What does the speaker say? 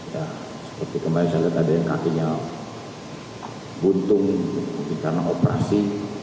ya seperti kemarin saya lihat ada yang kakinya buntung karena operasi